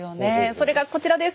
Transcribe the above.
それがこちらです。